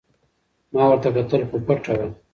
ما ورته کتل خو پټه وه.